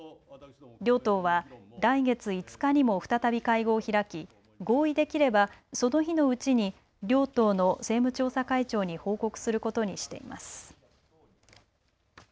両党は来月５日にも再び会合を開き合意できればその日のうちに両党の政務調査会長に報告することにしています。